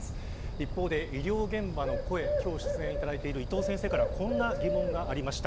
一方で、医療現場の声今日出演いただいている伊藤先生からこんな疑問がありました。